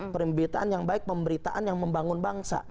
pemberitaan yang baik pemberitaan yang membangun bangsa